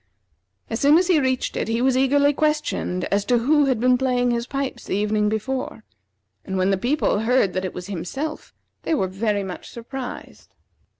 As soon as he reached it, he was eagerly questioned as to who had been playing his pipes the evening before, and when the people heard that it was himself, they were very much surprised.